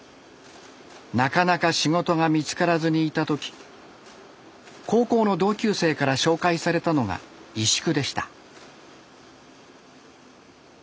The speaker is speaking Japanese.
なかなか仕事が見つからずにいた時高校の同級生から紹介されたのが石工でした。